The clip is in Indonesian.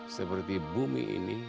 seperti bumi ini